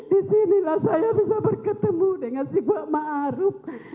disinilah saya bisa berketemu dengan si kuat maruf